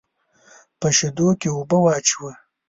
په شېدو کې اوبه واچوه.